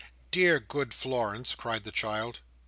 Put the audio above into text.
Dear, good Florence!" cried the child.